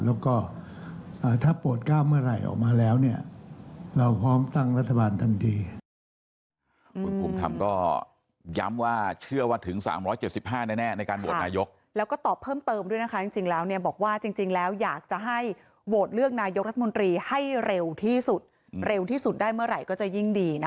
แล้วก็ถ้าโปรดก้าวเมื่อไหร่ออกมาแล้วเนี่ยเราพร้อมตั้งรัฐบาลทันที